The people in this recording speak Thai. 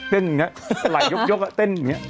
อย่างนี้ไหลยกเต้นอย่างนี้